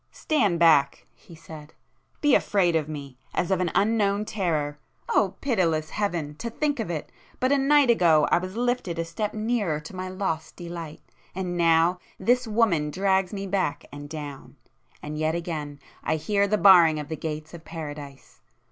"Stand back!" he said—"Be afraid of me, as of an unknown Terror! O pitiless Heaven!—to think of it!—but a night ago I was lifted a step nearer to my lost delight!—and now this woman drags me back, and down!—and yet again I hear the barring of the gates of Paradise!